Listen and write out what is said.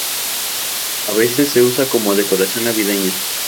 A veces se usa como decoración navideña.